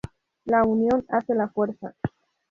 La unión hace la fuerza